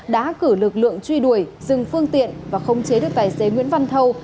đã cử lực lượng truy đuổi dừng phương tiện và không chế được tài xế nguyễn văn thâu